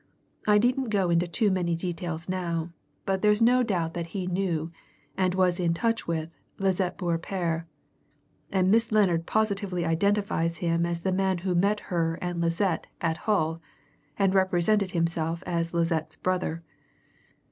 I needn't go into too many details now, but there's no doubt that he knew, and was in touch with, Lisette Beaurepaire, and Miss Lennard positively identifies him as the man who met her and Lisette at Hull, and represented himself as Lisette's brother.